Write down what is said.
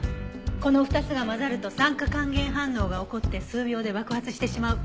この２つが混ざると酸化還元反応が起こって数秒で爆発してしまう。